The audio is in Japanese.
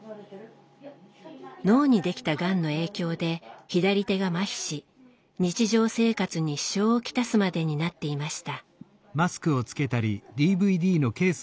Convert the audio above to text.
脳にできたがんの影響で左手がまひし日常生活に支障を来すまでになっていました。